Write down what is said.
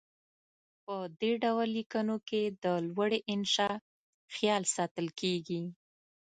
په دې ډول لیکنو کې د لوړې انشاء خیال ساتل کیږي.